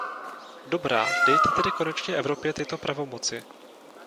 Dobrá, dejte tedy konečně Evropě tyto pravomoci!